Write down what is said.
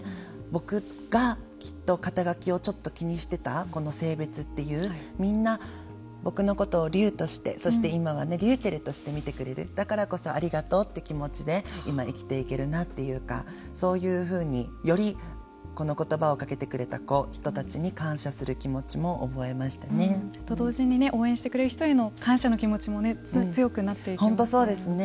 僕がきっと肩書をちょっと気にしてたこの性別っていうみんな僕のことをリュウとしてそして、今はｒｙｕｃｈｅｌｌとして見てくれるだからこそありがとうって気持ちで今、生きていけるなというかそういうふうによりこのことばをかけてくれた人たちに感謝する気持ちも覚えましたね。と同時に応援してくれる人への感謝の気持ちも強くなっていきますよね。